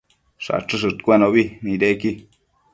Shachëshëdcuenobi nidequi